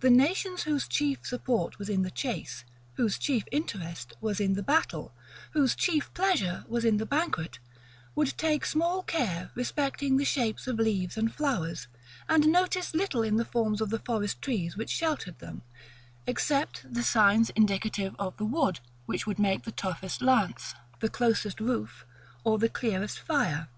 The nations whose chief support was in the chase, whose chief interest was in the battle, whose chief pleasure was in the banquet, would take small care respecting the shapes of leaves and flowers; and notice little in the forms of the forest trees which sheltered them, except the signs indicative of the wood which would make the toughest lance, the closest roof, or the clearest fire.